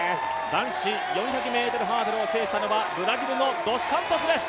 男子４００ｍハードルを制したのはブラジルのドス・サントスです！